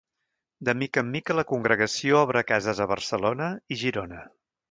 De mica en mica la congregació obre cases a Barcelona, i Girona.